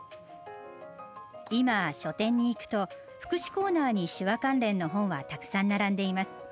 今、書店に行くと福祉コーナーに手話関連の本はたくさん並んでいます。